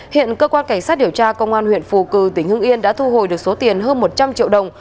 hiện cơ quan cảnh sát điều tra công an huyện phù cử tỉnh hưng yên đã thu hồi được số tiền hơn một trăm linh triệu đồng